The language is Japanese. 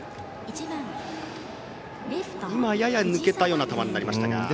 今、やや抜けたような球になりましたが。